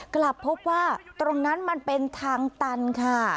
กลับพบว่าตรงนั้นมันเป็นทางตันค่ะ